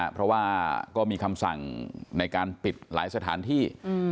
เพราะว่าก็มีคำสั่งในการปิดหลายสถานที่